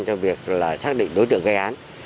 trong việc là xác định đối tượng gây án